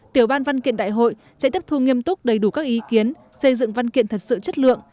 tiểu ban văn kiện đại hội sẽ tiếp thu nghiêm túc đầy đủ các ý kiến xây dựng văn kiện thật sự chất lượng